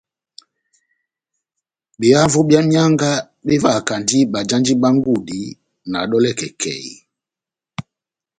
Behavo bia mianga bevahakandi bajandi bá ngudi na dolè kèkèi.